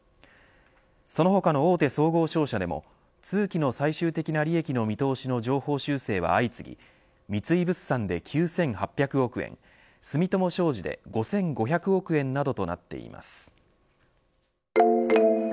その他の大手総合商社でも通期の最終的な利益の見通しの上方修正は相次ぎ三井物産で９８００億円住友商事で５５００億円などとなっています。